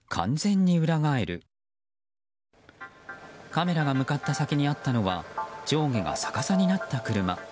カメラが向かった先にあったのは上下が逆さになった車。